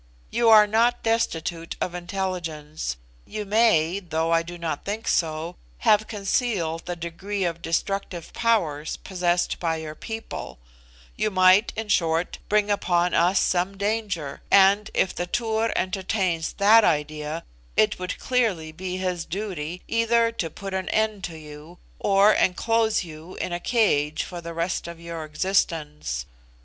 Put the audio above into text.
You are not destitute of intelligence; you may (though I do not think so) have concealed the degree of destructive powers possessed by your people; you might, in short, bring upon us some danger; and if the Tur entertains that idea, it would clearly be his duty, either to put an end to you, or enclose you in a cage for the rest of your existence.